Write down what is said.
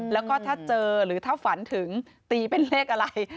แล้วก็ถ้าเจอหรือถ้าฝันถึงตีเป็นเลขอะไร